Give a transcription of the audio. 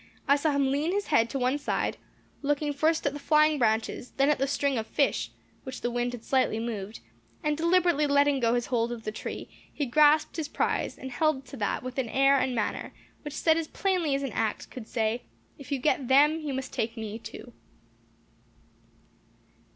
I saw him lean his head to one side, looking first at the flying branches, then at the string of fish, which the wind had slightly moved, and deliberately letting go his hold of the tree, he grasped his prize, and held to that with an air and manner, which said as plainly as an act could say, 'If you get them, you must take me too.